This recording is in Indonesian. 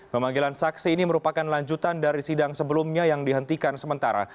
pemanggilan saksi ini merupakan lanjutan dari sidang sebelumnya yang dihentikan sementara